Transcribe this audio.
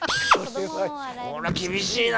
それは厳しいな。